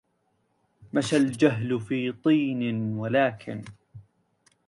مشى الجهل في طين ولكن